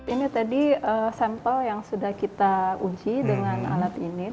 ini tadi sampel yang sudah kita uji dengan alat ini